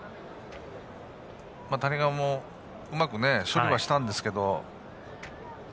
谷川もうまく処理はしたんですけど。